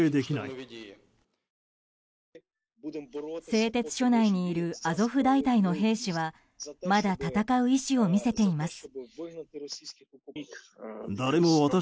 製鉄所内にいるアゾフ大隊の兵士はまだ戦う意思を見せています。